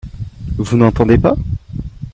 Vous n'entendez pas ?